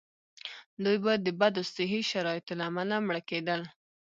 دوی به د بدو صحي شرایطو له امله مړه کېدل.